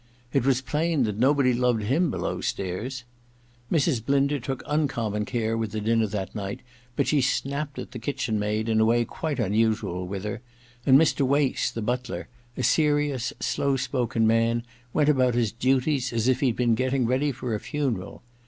It was plain that nobody loved him below stairs. Mrs. Blinder took un common care with the dinner that night, but she snapped at the kitchen maid in a way quite unusual with her ; and Mr. Wace, the butler, a serious slow spoken man, went about his duties as if he'd been getting ready for a funeral.